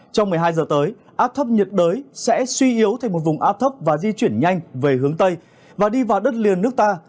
trong một mươi hai giờ tới áp thấp nhiệt đới sẽ suy yếu thành một vùng áp thấp và di chuyển nhanh về hướng tây và đi vào đất liền nước ta